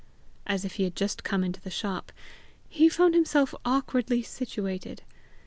as if he had just come into the shop, he found himself awkwardly situated.